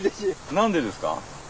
何でですか？